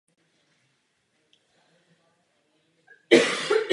Poté trénoval menší polské kluby.